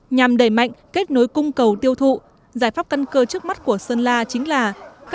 nhằm đẩy mạnh kết nối cung cầu tiêu thụ giải pháp căn cơ trước mắt của sơn la chính là